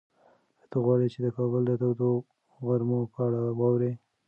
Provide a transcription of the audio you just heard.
ایا ته غواړې چې د کابل د تودو غرمو په اړه واورې؟